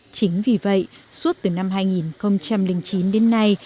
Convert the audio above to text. chính vì vậy suốt từ năm hai nghìn chín đến nay